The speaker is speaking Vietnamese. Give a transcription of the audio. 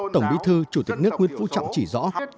tổng bí thư chủ tịch nước nguyễn phú trọng chỉ rõ